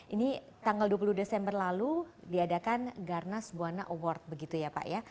ini tanggal dua puluh desember lalu diadakan garnas buwana award begitu ya pak ya